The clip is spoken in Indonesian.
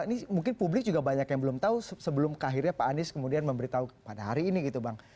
ini mungkin publik juga banyak yang belum tahu sebelum akhirnya pak anies kemudian memberitahu pada hari ini gitu bang